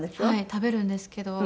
食べるんですけど。